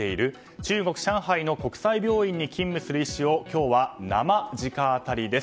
中国・上海の国際病院に勤務する医師を今日は生直アタリです。